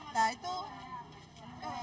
nah itu keluar api